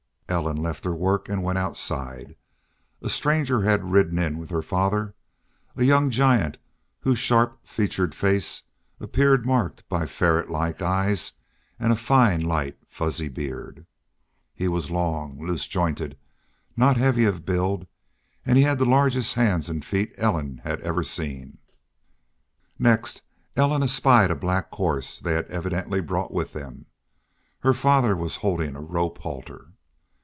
Ellen left her work and went outside. A stranger had ridden in with her father, a young giant whose sharp featured face appeared marked by ferret like eyes and a fine, light, fuzzy beard. He was long, loose jointed, not heavy of build, and he had the largest hands and feet Ellen bad ever seen. Next Ellen espied a black horse they had evidently brought with them. Her father was holding a rope halter.